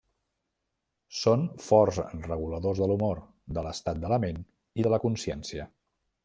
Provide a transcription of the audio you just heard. Són forts reguladors de l'humor, de l'estat de la ment i de la consciència.